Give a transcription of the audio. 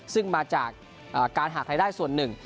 ซึ่งมาจากการหารายได้ส่วนหนึ่ง